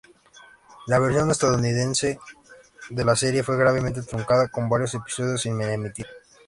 La versión estadounidense de la serie, fue gravemente truncada, con varios episodios sin emitir.